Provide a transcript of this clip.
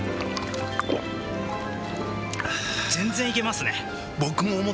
全然いけますね。